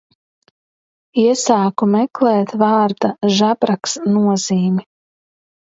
Iesāku meklēt vārda žabraks nozīmi.